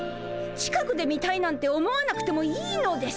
近くで見たいなんて思わなくてもいいのです。